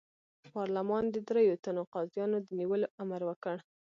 پارلمان د دریوو تنو قاضیانو د نیولو امر وکړ.